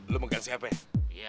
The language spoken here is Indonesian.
lo pegang siapa ya